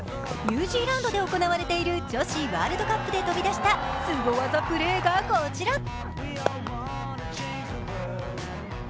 ニュージーランド行われている女子ワールドカップで飛び出したすご技プレーがこちら。